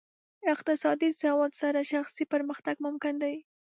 اقتصادي سواد سره شخصي پرمختګ ممکن دی.